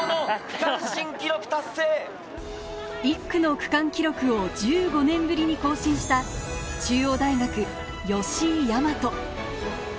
１区の区間記録を１５年ぶりに更新した中央大学・吉居大和。